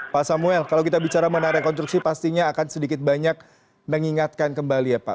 pak samuel kalau kita bicara mengenai rekonstruksi pastinya akan sedikit banyak mengingatkan kembali ya pak